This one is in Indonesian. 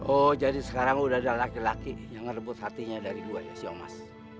oh jadi sekarang udah ada laki laki yang merebut hatinya dari gua ya si omas